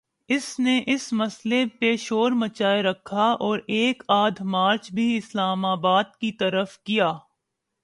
اس نے اس مسئلے پہ شور مچائے رکھا اور ایک آدھ مارچ بھی اسلام آباد کی طرف کیا۔